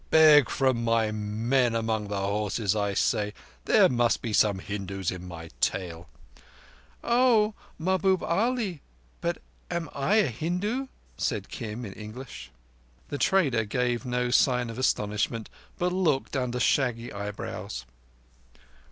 "Beg from my men among the horses, I say. There must be some Hindus in my tail." "Oh, Mahbub Ali, but am I a Hindu?" said Kim in English. The trader gave no sign of astonishment, but looked under shaggy eyebrows.